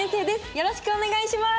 よろしくお願いします。